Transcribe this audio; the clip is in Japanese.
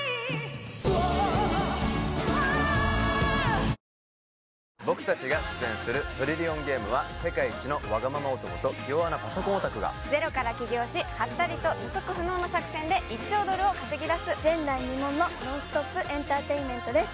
新しくなった僕たちが出演する「トリリオンゲーム」は世界一のワガママ男と気弱なパソコンオタクがゼロから起業しハッタリと予測不能な作戦で１兆ドルを稼ぎだす前代未聞のノンストップ・エンターテインメントです